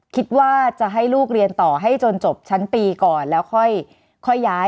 คิดว่าจะให้ลูกเรียนต่อให้จนจบชั้นปีก่อนแล้วค่อยย้าย